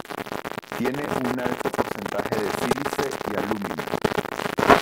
Tiene un alto porcentaje de sílice y alúmina.